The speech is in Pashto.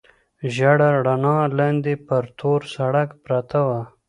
ژېړه رڼا، لاندې پر تور سړک پرته وه.